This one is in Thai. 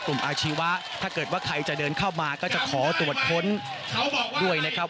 อาชีวะถ้าเกิดว่าใครจะเดินเข้ามาก็จะขอตรวจค้นด้วยนะครับ